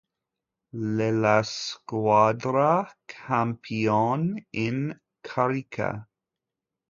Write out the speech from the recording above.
L' è la squadra campione in carica.